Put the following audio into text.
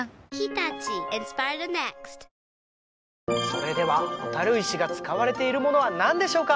それでは蛍石が使われているものは何でしょうか？